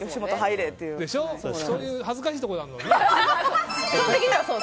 そういう恥ずかしいところだもんね。